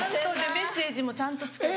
メッセージもちゃんと付けて。